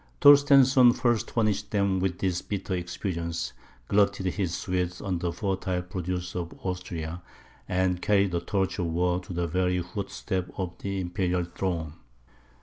Torstensohn first furnished them with this bitter experience, glutted his Swedes on the fertile produce of Austria, and carried the torch of war to the very footsteps of the imperial throne.